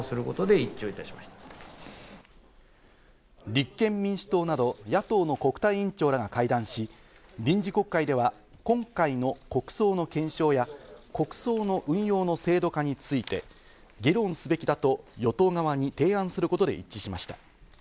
立憲民主党など野党の国対委員長らが会談し、臨時国会では今回の国葬の検証や国葬の運用の制度化について議論すべきだと与党側に提案することで一致しました。